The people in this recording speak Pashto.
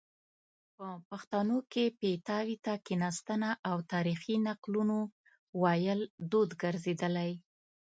په پښتانو کې پیتاوي ته کیناستنه او تاریخي نقلونو ویل دود ګرځیدلی